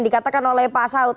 dikatakan oleh pak saud